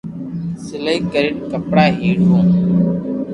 سلائي ڪرين ڪپڙا ھيڙوو